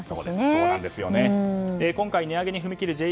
今回値上げに踏み切る